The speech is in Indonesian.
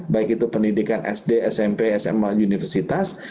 baik itu pendidikan sd smp sma universitas